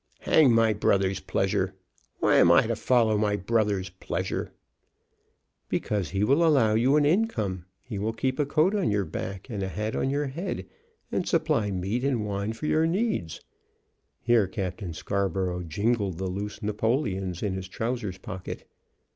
"Hang my brother's pleasure! Why am I to follow my brother's pleasure?" "Because he will allow you an income. He will keep a coat on your back and a hat on your head, and supply meat and wine for your needs." Here Captain Scarborough jingled the loose napoleons in his trousers pocket.